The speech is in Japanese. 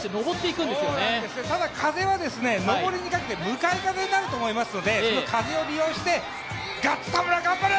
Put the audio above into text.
そうなんですよ、ただ風は上りにかけて向かい風になると思いますのでこの風を利用して、ガッツ田村頑張れ！